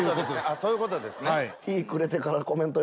そういうことですね。